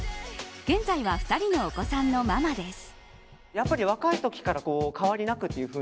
現在は２人のお子さんのママです。